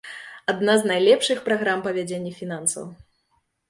Адна з найлепшых праграм па вядзенні фінансаў.